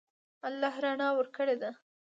الله رڼا ورکړې ده.